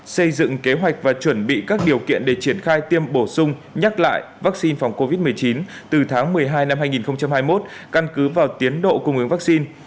xây dựng kế hoạch và chuẩn bị các điều kiện để triển khai tiêm bổ sung nhắc lại vaccine phòng covid một mươi chín từ tháng một mươi hai năm hai nghìn hai mươi một căn cứ vào tiến độ cung ứng vaccine